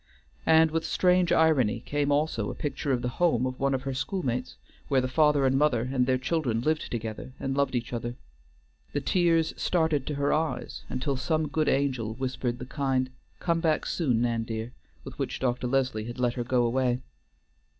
And with strange irony came also a picture of the home of one of her schoolmates, where the father and mother and their children lived together and loved each other. The tears started to her eyes until some good angel whispered the kind "Come back soon, Nan dear," with which Dr. Leslie had let her go away.